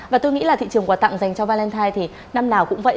và tôi nghĩ là thị trường quà tặng dành cho valentine thì năm nào cũng vậy